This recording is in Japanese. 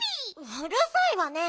うるさいわね！